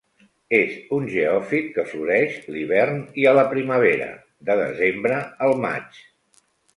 És un geòfit que floreix l'hivern i a la primavera de desembre al maig.